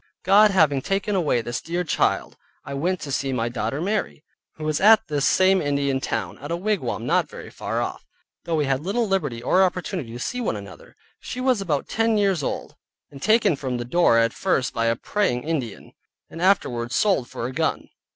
God having taken away this dear child, I went to see my daughter Mary, who was at this same Indian town, at a wigwam not very far off, though we had little liberty or opportunity to see one another. She was about ten years old, and taken from the door at first by a Praying Ind. and afterward sold for a gun.